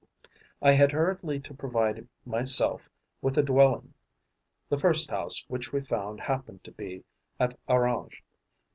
I had hurriedly to provide myself with a dwelling. The first house which we found happened to be at Orange.